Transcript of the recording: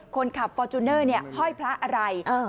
คนขับฟอร์จูเนอร์เนี่ยห้อยพระอะไรเออ